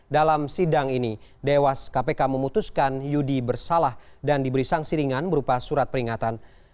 dalam sidang ini dewas kpk memutuskan yudi bersalah dan diberi sanksi ringan berupa surat peringatan